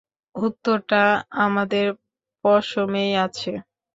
উত্তরটা আমাদের পশমেই আছে।